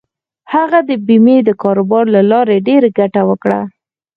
هغه د بېمې د کاروبار له لارې ډېره ګټه وکړه.